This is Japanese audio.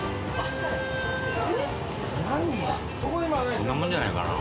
こんなもんじゃないかな？